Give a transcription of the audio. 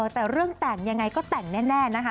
แต่เรื่องแต่งยังไงก็แต่งแน่นะคะ